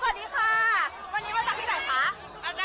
สวัสดีค่ะวันนี้มาจากที่ไหนคะ